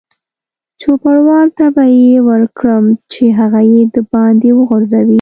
چوپړوال ته به یې ورکړم چې هغه یې دباندې وغورځوي.